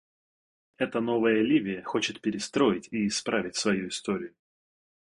Эта новая Ливия хочет перестроить и исправить свою историю.